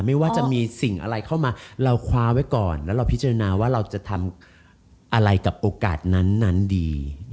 ไม่ว่าจะมีสิ่งอะไรเข้ามาเราคว้าไว้ก่อนแล้วเราพิจารณาว่าเราจะทำอะไรกับโอกาสนั้นดี